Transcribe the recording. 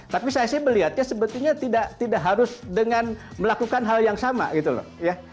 tapi saya sih melihatnya sebetulnya tidak harus dengan melakukan hal yang sama gitu loh ya